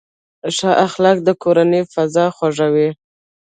ښه اخلاق د کورنۍ فضا خوږوي.